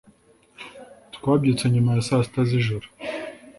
twabyutse nyuma ya saa sita z'ijoro